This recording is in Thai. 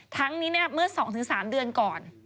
ทั้งนี้เมื่อ๒๓เดือนก่อน